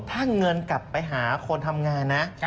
ถ้าเงินกลับไปหาคนทำงานนะ